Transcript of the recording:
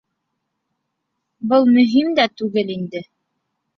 Был мөһим дә түгел инде.